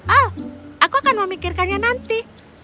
oh aku akan memikirkannya nanti